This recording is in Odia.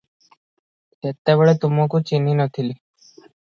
ତେତେବେଳେ ତୁମକୁ ଚିହ୍ନି ନ ଥିଲି ।